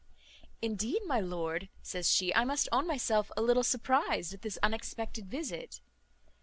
"Indeed, my lord," says she, "I must own myself a little surprized at this unexpected visit."